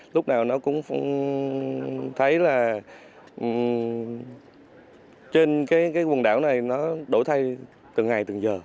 lúc nào nó cũng thấy là trên cái quần đảo này nó đổi thay từng ngày từng giờ